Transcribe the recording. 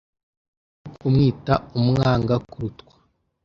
ni ko kumwita umwanga kurutwa